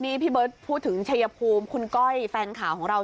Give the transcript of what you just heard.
นี่พี่เบิร์ตพูดถึงชัยภูมิคุณก้อยแฟนข่าวของเรา